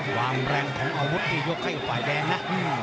ความแรงของอาวุธที่ยกเข้าอยู่ฝ่ายแดงนะ